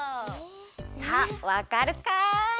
さあわかるかい？